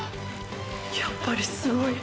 やっぱりすごい！！